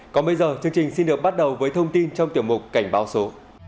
còn bây giờ chương trình xin được bắt đầu với thông tin trong tiểu mục cảnh báo số